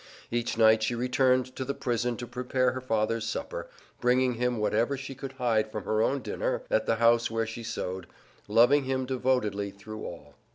Each night she returned to the prison to prepare her father's supper, bringing him whatever she could hide from her own dinner at the house where she sewed, loving him devotedly through all.